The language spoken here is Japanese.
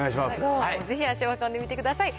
ぜひ足を運んでみてください。